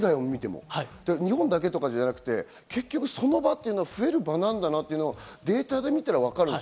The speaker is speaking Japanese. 日本だけとかじゃなくて、結局その場っていうのは増える場なんだなっていうのがデータで見たらわかる。